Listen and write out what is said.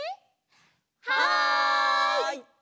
はい！